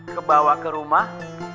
kebawa ke rumah